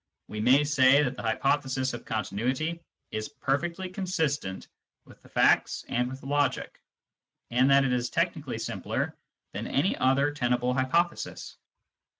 We may say that the hypothesis of continuity is perfectly consistent with the facts and with logic, and that it is technically simpler than any other tenable hypothesis.